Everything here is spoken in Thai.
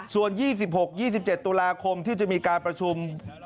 ส่วน๒๖๒๗ตุลาคมที่จะมีการประชุม